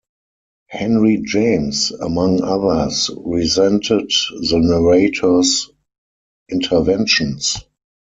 Henry James, among others, resented the narrator's interventions.